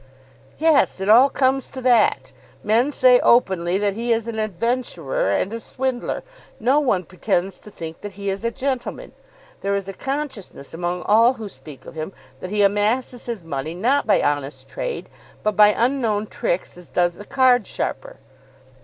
"Yes; it all comes to that. Men say openly that he is an adventurer and a swindler. No one pretends to think that he is a gentleman. There is a consciousness among all who speak of him that he amasses his money not by honest trade, but by unknown tricks, as does a card sharper.